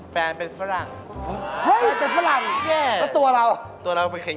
แฟนเป็นฝรั่งฟรั่งอะไรวะตัวเราตัวเราก็ค่นนขาย